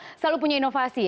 dan mereka selalu punya inovasi